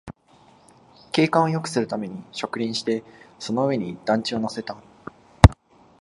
景観をよくするために植林して、その上に団地を乗せた